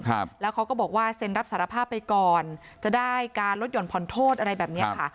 ครับแล้วเขาก็บอกว่าเซ็นรับสารภาพไปก่อนจะได้การลดหย่อนผ่อนโทษอะไรแบบเนี้ยค่ะ